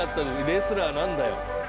レスラーなんだよ。